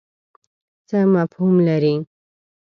څه مفهوم لري.